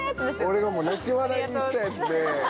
俺がもう泣き笑いしたやつで。